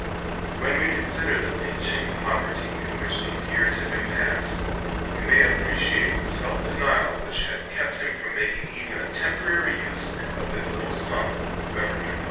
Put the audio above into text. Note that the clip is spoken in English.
When we consider the pinching poverty in which these years had been passed, we may appreciate the self denial denial which had kept him from making even a temporary use of this little sum of government money.